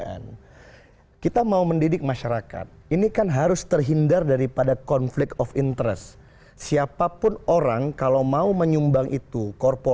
seratus satu ratus tiga belas atau berapa kali bisa jadi perseorangan yang menyumbang ke kpu